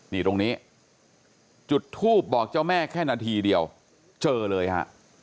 นี่ตรงนี้จุดทูบบอกเจ้าแม่แค่นาทีเดียวเจอเลยฮะ